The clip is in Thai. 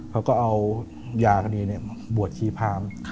เขาก็เอายากระดีที่บวชชีภาร์ม